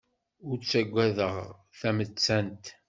Ur ttagadeɣ tamettant.